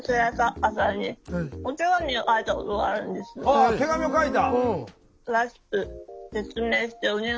ああ手紙を書いた？